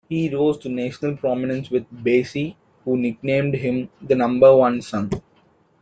He rose to national prominence with Basie, who nicknamed him "The Number One Son".